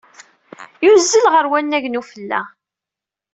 Yuzzel ɣer wannag n ufella.